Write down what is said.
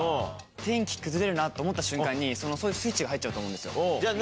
天気崩れるなと思った瞬間に、そのスイッチが入っちゃうと思うじゃあ何？